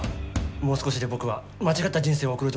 もう少しで僕は間違った人生を送るところだったよ。